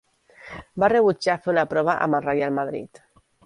Va rebutjar fer una prova amb el Reial Madrid.